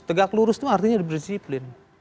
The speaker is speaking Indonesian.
tegak lurus itu artinya berdisiplin